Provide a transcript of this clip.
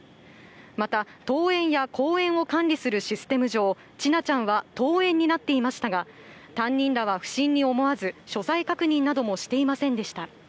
また登園や降園を管理するシステム上、千奈ちゃんは登園になっていましたが、担任らは不審に思わず、所在確認などもしていませんでした。